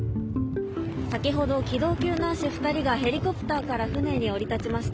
先ほど機動救難士２人がヘリコプターから船に降り立ちました。